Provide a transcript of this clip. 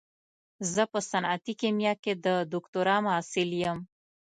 زه په صنعتي کيميا کې د دوکتورا محصل يم.